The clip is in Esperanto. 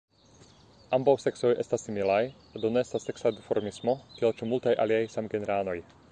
Ambaŭ seksoj estas similaj; do ne estas seksa duformismo kiel ĉe multaj aliaj samgenranoj.